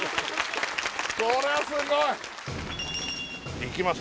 これはすごいいきます